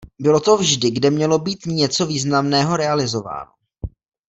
Bylo to vždy kde mělo být něco významného realizováno.